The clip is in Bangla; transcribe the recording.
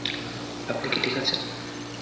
আপনি কি ঠিক আছেন?